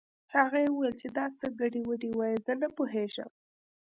هغې وويل چې دا څه ګډې وډې وايې زه نه پوهېږم